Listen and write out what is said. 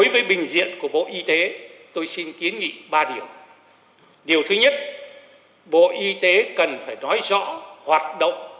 vậy bộ y tế cần phải nói rõ hoạt động